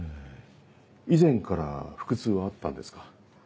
以前から腹痛はあったんですか？